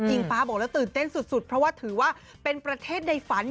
ฟ้าบอกแล้วตื่นเต้นสุดเพราะว่าถือว่าเป็นประเทศในฝัน